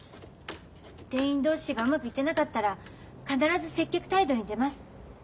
店員同士がうまくいってなかったら必ず接客態度に出ます。